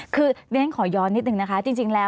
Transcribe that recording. เละทั้งขอย้อนนิดหนึ่งนะคะ